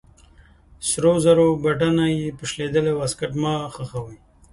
د سرو زرو بټنه په شلېدلې واسکټ مه خښوئ.